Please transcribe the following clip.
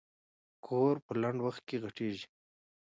کور په لنډ وخت کې غټېږي.